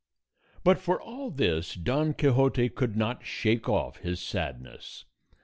But for all this Don Quixote could not shake off his sadness.